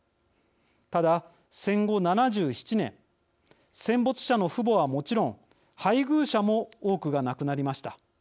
ただ、戦後７７年戦没者の父母はもちろん配偶者も多くが亡くなりました。